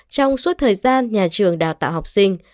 trong suốt thời gian nhà trường đào tạo học sinh